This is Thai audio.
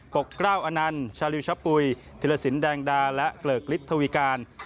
กร้าวอนันต์ชาลิวชะปุ๋ยธิรสินแดงดาและเกลิกฤทธวีการ